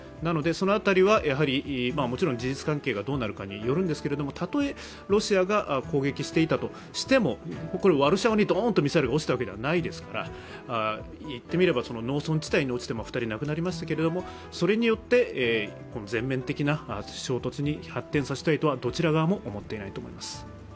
その辺りは、もちろん事実関係がどうなるかによるんですけれども、たとえロシアが攻撃していたとしても、ワルシャワにドーンとミサイルが落ちたわけではないですからいってみれば農村地帯に落ちて２人亡くなりましたけれどもそれによって全面的な衝突に発展させたいとはどちら側も思っていないと思います。